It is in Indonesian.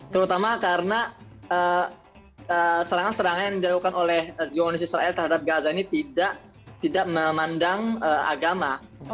terutama karena serangan serangan yang dilakukan oleh jurnalis israel terhadap gaza ini tidak memandang agama